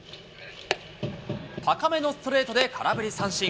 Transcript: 高めのストレートで空振り三振。